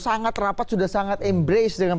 sangat rapat sudah sangat embrace dengan